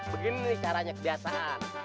begini nih caranya kebiasaan